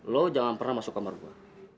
lo jangan pernah masuk kamar gue